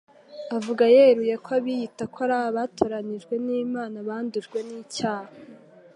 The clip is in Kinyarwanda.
avuga yeruye ko abiyita ko ari abatoranijwe n'Imana bandujwe n'icyaha